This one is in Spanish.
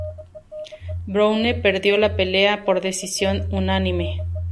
Browne perdió la pelea por decisión unánime.